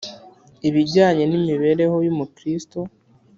ibijyanye n’ imibereho y Umukristo